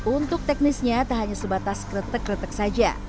untuk teknisnya tak hanya sebatas kretek kretek saja